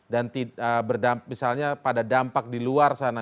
dan misalnya pada dampak di luar sana misalnya agar tidak ada efek politik yang menyebabkan